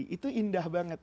itu indah banget